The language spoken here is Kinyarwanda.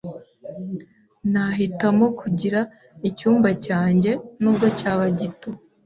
Nahitamo kugira icyumba cyanjye, nubwo cyaba gito.